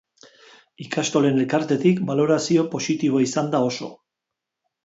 Ikastolen elkartetik balorazio positiboa izan da oso.